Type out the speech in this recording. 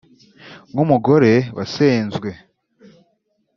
nk’umugore wasenzwe